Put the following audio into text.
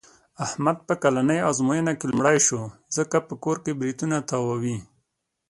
احمد په کلنۍ ازموینه کې لومړی شو. ځکه په کور کې برېتونه تاووي.